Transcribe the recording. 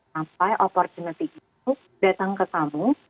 sampai opportunity itu datang ke tamu